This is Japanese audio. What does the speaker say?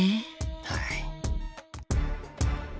はい。